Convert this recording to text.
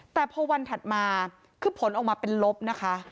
แต่พอวันถัดมาคือผลออกมาเป็นลบนะคะ